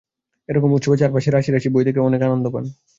এ রকম উৎসবে চারপাশে রাশি রাশি বই দেখেও অনেকে আনন্দ পান।